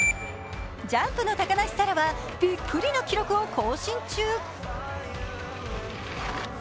ジャンプの高梨沙羅はビックリの記録を更新中。